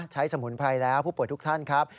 สมุนไพรแล้วผู้ป่วยทุกท่านครับ